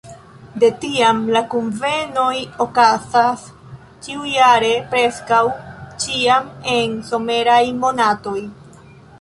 De tiam la kunvenoj okazas ĉiujare, preskaŭ ĉiam en someraj monatoj.